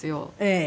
ええ。